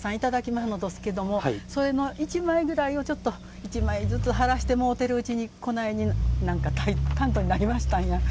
まんのどすけどそれの１枚ぐらいをちょっと１枚ずつ貼らせてもうてるうちにこないにたんとになりましたんや。